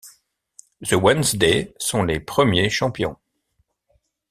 The Wednesday sont les premiers champions.